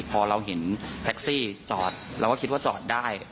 พอเราเห็นแท็กซี่จอดเราก็คิดว่าจอดได้